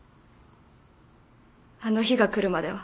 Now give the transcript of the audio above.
あの日が来るまでは。